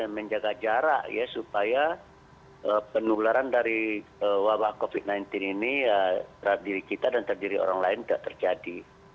menjaga jarak ya supaya penularan dari wabah covid sembilan belas ini ya terhadap diri kita dan terhadap diri orang lain tidak terjadi